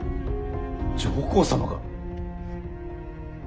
上皇様が！？